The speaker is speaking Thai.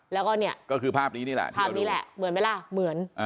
แล้วก็เนี่ยก็คือภาพนี้นี่แหละภาพนี้แหละเหมือนไหมล่ะเหมือน